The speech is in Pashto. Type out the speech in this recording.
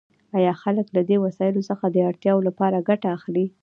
آیا خلک له دې وسایلو څخه د اړتیاوو لپاره ګټه اخلي؟